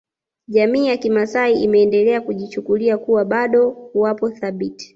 Jamii ya kimaasai imeendelea kujichukulia kuwa bado wapo thabiti